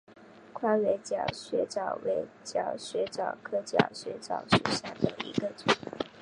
宽尾角水蚤为角水蚤科角水蚤属下的一个种。